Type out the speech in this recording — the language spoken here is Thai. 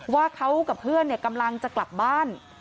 ว่าเขากับเพื่อนกำลังจะกลับบ้าน